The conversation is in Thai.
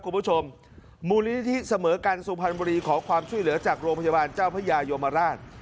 คุณผู้ชมมูลนิธิเสมอกันสุพรรณบุรีขอความช่วยเหลือจากโรงพยาบาลเจ้าพระยายมราช